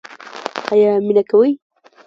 ایا مینه کوئ؟